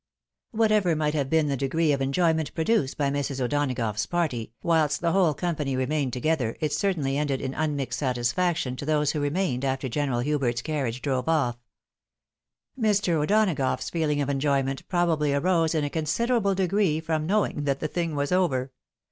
Whatever might have been the degree of enjoyment produced by Mrs. O'Donagough's party, whilst the whole company re mained together, it certainly ended in unmixed satisfaction to those who remained after General Hubert's carriage drove off. Mr. O'Donagough's feeling of enjoyment probably arose in a considerable degree from knowing that the thing was over.